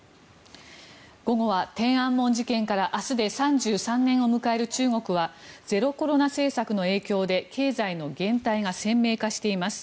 午後は天安門事件から明日で３３年を迎える中国はゼロコロナ政策の影響で経済の減退が鮮明化しています。